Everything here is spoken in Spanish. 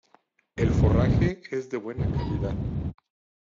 El forraje es de buena calidad.